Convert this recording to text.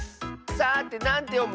さてなんてよむ？